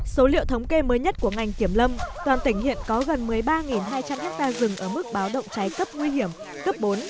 số liệu thống kê mới nhất của ngành kiểm lâm toàn tỉnh hiện có gần một mươi ba hai trăm linh ha rừng ở mức báo động cháy cấp nguy hiểm cấp bốn